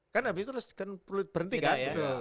kan habis itu terus berhenti kan